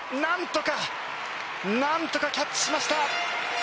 なんとかキャッチしました。